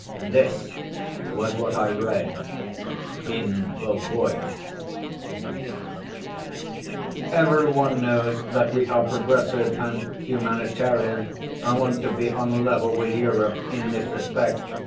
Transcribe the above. This was what I read in the Voice. "Every one knows that we are progressive and humanitarian and want to be on a level with Europe in this respect.